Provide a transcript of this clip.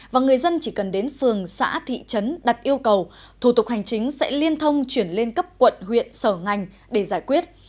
và người dân chỉ cần đến phường xã thị trấn đặt yêu cầu thủ tục hành chính sẽ liên thông chuyển lên cấp quận huyện sở ngành để giải quyết